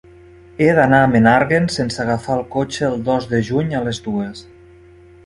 He d'anar a Menàrguens sense agafar el cotxe el dos de juny a les dues.